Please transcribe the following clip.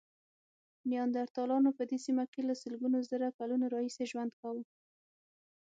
نیاندرتالانو په دې سیمه کې له سلګونو زره کلونو راهیسې ژوند کاوه.